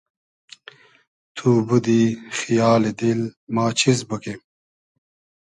تو بودی خیالی دیل ما چیز بوگیم